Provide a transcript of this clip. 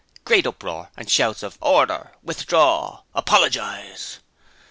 (Great uproar and shouts of 'Order', 'Withdraw', 'Apologize'.)